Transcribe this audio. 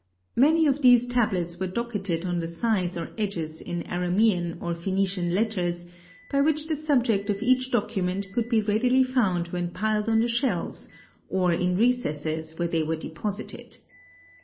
Many of these tablets were docketed on the sides or edges in Aramean or Phœnician letters, by which the subject of each document could be readily found when piled on the shelves or in recesses where they were deposited.